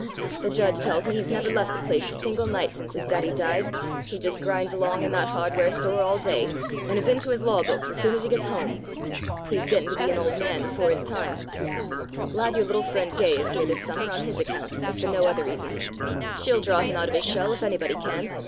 The Judge tells me he's never left the place a single night since his Daddy died. He just grinds along in that hardware store all day, and is into his law books as soon as he gets home. He's getting to be an old man before his time. I'm glad your little friend Gay is here this summer, on his account, if for no other reason. She'll draw him out of his shell if anybody can.